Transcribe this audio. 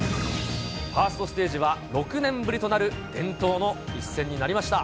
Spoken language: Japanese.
ファーストステージは、６年ぶりとなる伝統の一戦になりました。